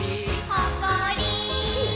ほっこり。